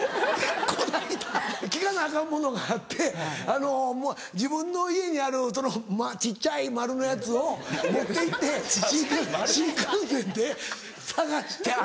この間聞かなアカンものがあって自分の家にある小っちゃい丸のやつを持って行って新幹線で探して穴。